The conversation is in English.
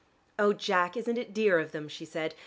"Oh, Jack, isn't it dear of them?" she said.